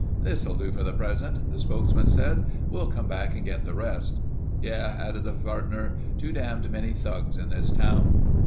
"This'll do for the present," the spokesman said. "We'll come back and get the rest." "Yeh," added his partner. "Too damned many thugs in this town."